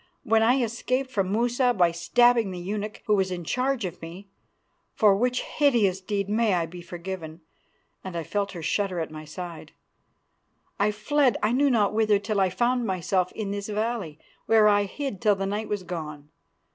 When I escaped from Musa by stabbing the eunuch who was in charge of me, for which hideous deed may I be forgiven," and I felt her shudder at my side, "I fled I knew not whither till I found myself in this valley, where I hid till the night was gone.